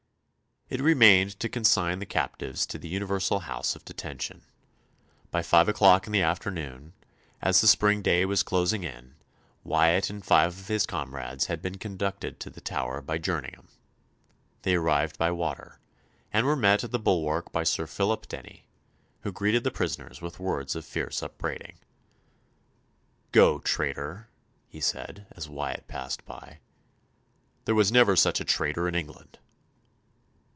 It remained to consign the captives to the universal house of detention. By five o'clock in the afternoon, as the spring day was closing in, Wyatt and five of his comrades had been conducted to the Tower by Jerningham. They arrived by water, and were met at the bulwark by Sir Philip Denny, who greeted the prisoners with words of fierce upbraiding. "Go, traitor," he said, as Wyatt passed by, "there was never such a traitor in England."